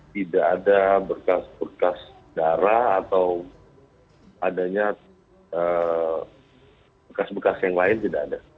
tidak ada berkas bekas darah atau adanya bekas bekas yang lain tidak ada